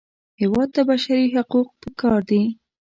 هېواد ته بشري حقوق پکار دي